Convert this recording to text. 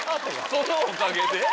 そのおかげで？